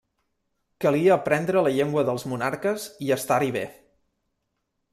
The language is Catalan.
Calia aprendre la llengua dels monarques i estar-hi bé.